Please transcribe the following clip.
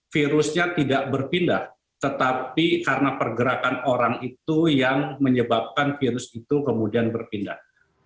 virusnya tidak berpindah tetapi karena pergerakan orang itu yang menyebabkan virus itu kemudian berpindah